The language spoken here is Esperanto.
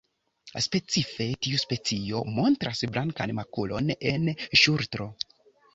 Specife tiu specio montras blankan makulon en ŝultro.